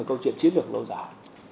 câu chuyện chiến lược lâu dài